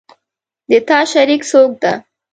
د تا شریک څوک ده